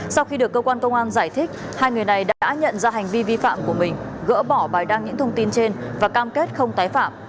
sau khi được cơ quan công an giải thích hai người này đã nhận ra hành vi vi phạm của mình gỡ bỏ bài đăng những thông tin trên và cam kết không tái phạm